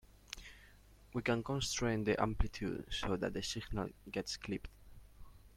We can constrain the amplitude so that the signal gets clipped.